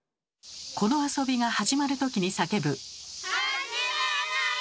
この遊びが始まるときに叫ぶ。